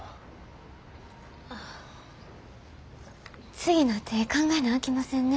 次の手ぇ考えなあきませんね。